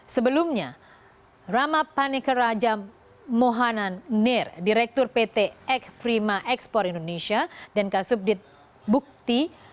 sebelumnya ramapaneker raja mohanan nir direktur pt ekprima ekspor indonesia dan kasubdit bukti